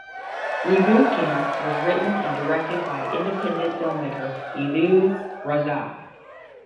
Reboot Camp was written and directed by independent filmmaker Ivo Raza.